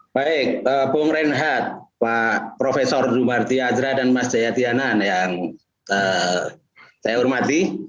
baik pung renhad pak profesor dumarti ajra dan mas jayat yanan yang saya hormati